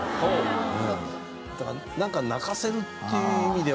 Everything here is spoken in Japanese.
だからなんか泣かせるという意味では。